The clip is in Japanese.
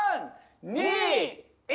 ２１！